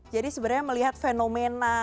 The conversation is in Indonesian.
jadi sebenarnya melihat fenomena